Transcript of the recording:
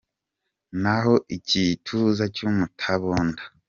Naho igituza cy’umutabonda